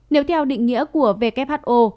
nếu theo định nghĩa của who